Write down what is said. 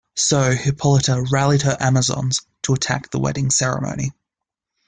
So Hippolyta rallied her Amazons to attack the wedding ceremony.